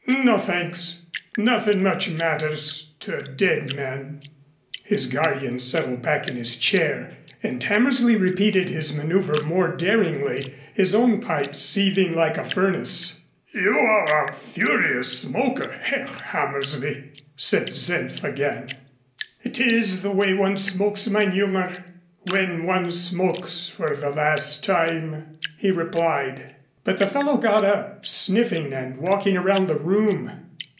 "No, thanks. Nothing much matters to a dead man." His guardian settled back in his chair, and Hammersley repeated his maneuver more daringly, his own pipe seething like a furnace. "You are a furious smoker, Herr Hammersley," said Senf again. "It is the way one smokes, mein Junger, when one smokes for the last time," he replied. But the fellow got up, sniffing and walking around the room.